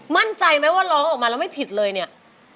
มั่นใจไหมว่าร้องออกมาแล้วไม่ผิดเลยเนี่ย